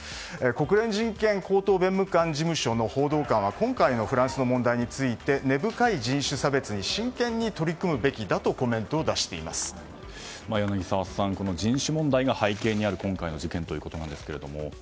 国連人権高等弁務官事務所の報道官は今回のフランスの問題について根深い人種差別に真剣に取り組むべきだと柳澤さん、人種問題が背景にある今回の事件ということなんですが。